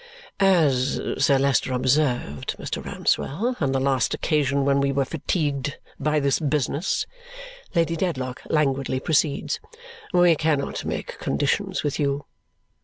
"As Sir Leicester observed, Mr. Rouncewell, on the last occasion when we were fatigued by this business," Lady Dedlock languidly proceeds, "we cannot make conditions with you.